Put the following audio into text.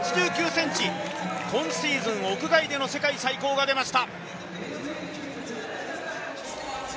１４ｍ８９９ｃｍ、今シーズン屋外での世界最高が出ました。